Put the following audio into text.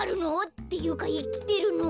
っていうかいきてるの？